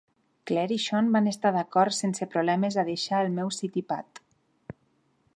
Claire i Sean van estar d'acord sense problemes a deixar el meu city pad.